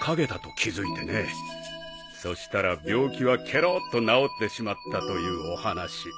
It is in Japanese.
そしたら病気はけろっと治ってしまったというお話。